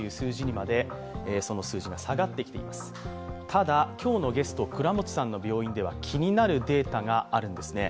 ただ、今日のゲスト倉持さんの病院では気になるデータがあるんですね。